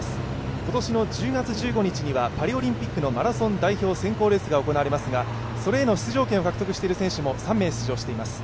今年の１０月１５日にはパリオリンピックのマラソン代表選考レースが行われますがそれへの出場権を獲得している選手も３名出場しています。